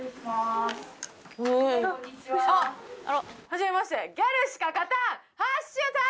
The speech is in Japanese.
はじめまして。